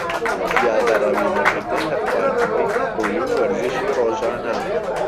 زیادەڕەوی نەکردن لە خواردنەوەی کحولی و وەرزشی رۆژانە